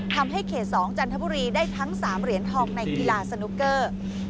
ทำให้เขต๒จันทบุรีได้ทั้ง๓เหรียญทองในกีฬาสนุกเกอร์